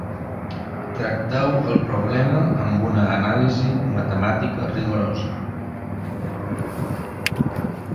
Tracteu el problema amb una anàlisi matemàtica rigorosa.